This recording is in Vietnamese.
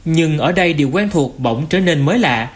nhưng ở đây điều quen thuộc bỗng trở nên mới lạ